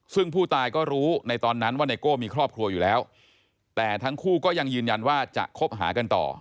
ซึ่งผู้ตายก็รู้ในตอนนั้นว่าไนโก้มีครอบครัวอยู่แล้วแต่ทั้งคู่ก็ยังยืนยันว่าจะคบหากันต่อ